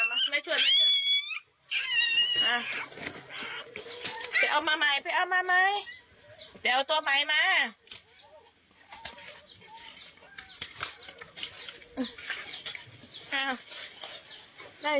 โอ้โหเร็วออกไปเอามาใหม่ลูก